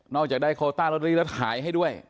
นอกจากได้โคต้าโรตเตอรี่และหายให้ด้วย